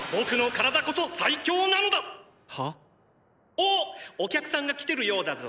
おっお客さんが来てるようだぞ。